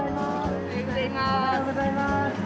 ・おはようございます！